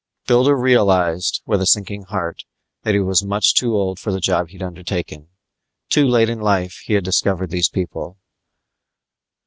Builder realized, with a sinking heart, that he was much too old for the job he'd undertaken. Too late in life had he discovered these people.